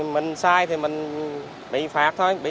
mình sai thì mình bị phạt thôi